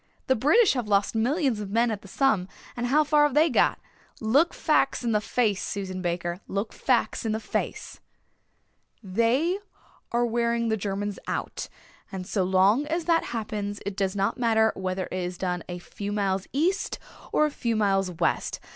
The British have lost millions of men at the Somme and how far have they got? Look facts in the face, Susan Baker, look facts in the face." "They are wearing the Germans out and so long as that happens it does not matter whether it is done a few miles east or a few miles west.